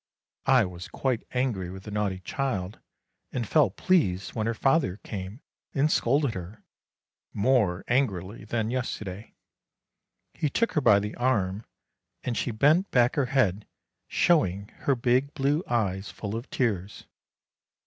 I was quite angry with the naughty child, and felt pleased when her father came and scolded her, more angrily than yesterday. He took her by the arm, and she bent back her head, showing her big blue eyes full of tears.